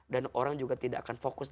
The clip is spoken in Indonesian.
dan orang juga tidak akan fokus